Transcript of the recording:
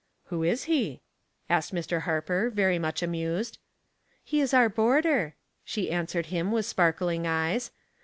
" Who is he ?" asked Mr. Harper, very much amused. " He is our boarder," she answered him, with sparkling eyes.